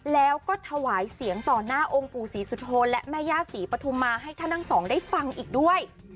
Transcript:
แล้วก็ถวายเสียงต่อหน้าองค์ปู่ศรีสุโธนและแม่ย่าศรีปฐุมมาให้ท่านทั้งสองได้ฟังอีกด้วย